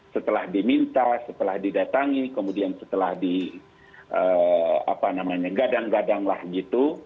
setelah diminta setelah didatangi kemudian setelah digadang gadang lah gitu